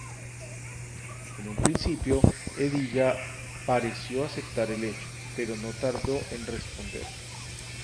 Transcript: En un principio Hedilla pareció aceptar el hecho, pero no tardó en responder.